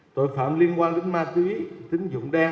tội phạm liên quan đến ma túy tính dụng đen